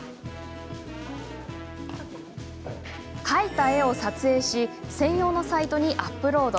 描いた絵を撮影し専用のサイトにアップロード。